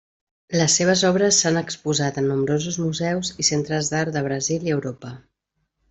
Les seves obres s'han exposat en nombrosos museus i centres d'art de Brasil i Europa.